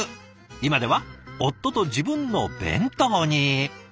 今では夫と自分の弁当に。